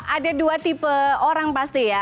ada dua tipe orang pasti ya